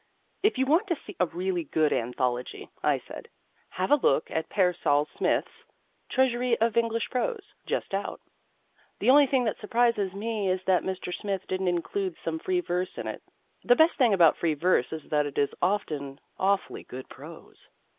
If you want to see a really good anthology (I said) have a look at Pearsall Smith's "Treasury of English Prose," just out. The only thing that surprises me is that Mr. Smith didn't include some free verse in it. The best thing about free verse is that it is often awfully good prose.